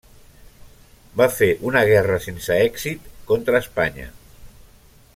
Va fer una guerra sense èxit contra Espanya.